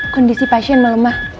kondisi pasien melemah